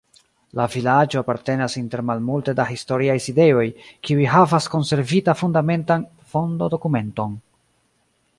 La vilaĝo apartenas inter malmulte da historiaj sidejoj, kiuj havas konservita fundamentan fondo-dokumenton.